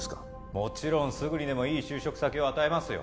もちろんすぐにでもいい就職先を与えますよ